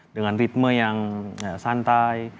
dengan ritme yang santai